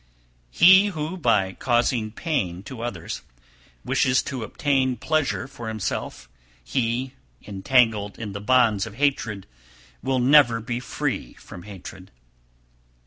291. He who, by causing pain to others, wishes to obtain pleasure for himself, he, entangled in the bonds of hatred, will never be free from hatred.